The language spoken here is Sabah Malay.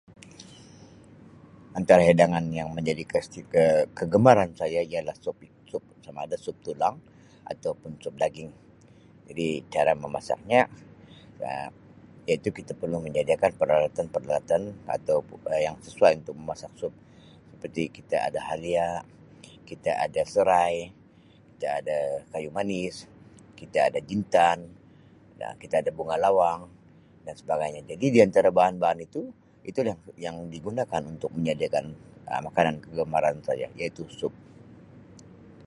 Antara hidangan yang menjadi keisti-kegemaran saya ialah supi-sup sama ada sup tulang atau pun sup daging. Jadi cara memasaknya Um iaitu kita perlu menyediakan peralatan-peralatan atau Um yang sesuai untuk memasak sup seperti kita ada halia, kita ada serai, kita ada kayu manis, kita ada jintan, Um kita ada bunga lawang dan sebagainya. Jadi di antara bahan-bahan itu, itulah yang digunakan untuk menyediakan Um makanan kegemaran saya iaitu sup.